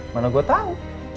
mana gue tahu